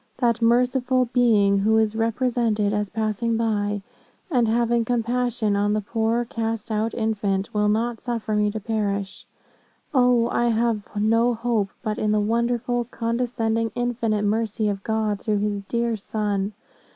That merciful Being, who is represented as passing by, and having compassion on the poor cast out infant, will not suffer me to perish. O, I have no hope but in the wonderful, condescending, infinite mercy of God, through his dear Son.